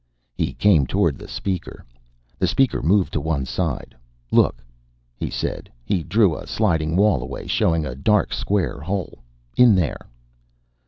He came toward the Speaker. The Speaker moved to one side. "Look," he said. He drew a sliding wall away, showing a dark square hole. "In there."